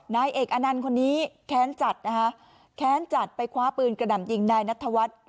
นายเอกอนันต์คนนี้แค้นจัดนะคะแค้นจัดไปคว้าปืนกระหน่ำยิงนายนัทวัฒน์